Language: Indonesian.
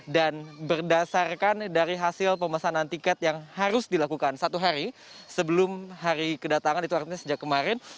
dan berdasarkan dari hasil pemasanan tiket yang harus dilakukan satu hari sebelum hari kedatangan itu artinya sejak kemarin